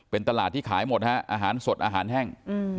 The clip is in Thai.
เป็นตลาดที่ขายหมดฮะอาหารสดอาหารแห้ง